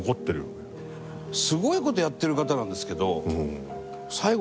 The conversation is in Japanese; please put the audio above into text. すごい事やってる方なんですけど。